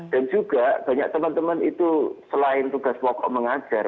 dan juga banyak teman teman itu selain tugas wakil mengajar